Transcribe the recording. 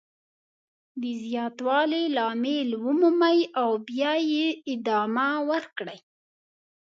د زیاتوالي لامل ومومئ او بیا یې ادامه ورکړئ.